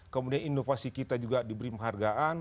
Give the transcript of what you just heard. kemudian inovasi kita juga diberi penghargaan